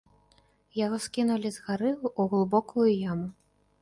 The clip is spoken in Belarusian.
Яго скінулі з гары ў глыбокую яму.